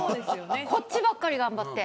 こっちばかり頑張って。